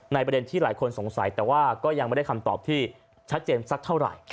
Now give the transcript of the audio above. ประเด็นที่หลายคนสงสัยแต่ว่าก็ยังไม่ได้คำตอบที่ชัดเจนสักเท่าไหร่